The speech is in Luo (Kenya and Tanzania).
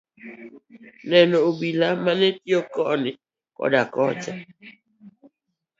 Noneno obila mane tiyo koni koda kocha.